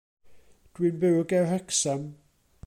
Dwi'n byw ger Wrecsam.